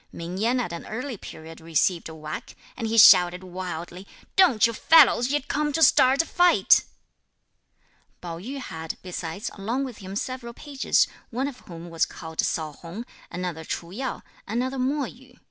Ming Yen at an early period received a whack, and he shouted wildly, "Don't you fellows yet come to start a fight." Pao yü had, besides, along with him several pages, one of whom was called Sao Hung, another Ch'u Yo, another Mo Yü.